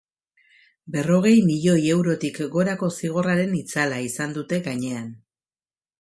Berrogei milioi eurotik gorako zigorraren itzala izan dute gainean.